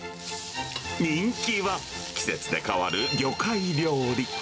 人気は、季節で変わる魚介料理。